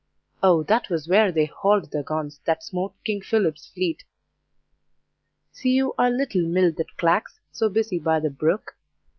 O that was where they hauled the guns That smote King Philip's fleet. See you our little mill that clacks, So busy by the brook?